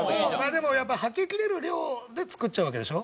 でもやっぱはけきれる量で作っちゃうわけでしょ？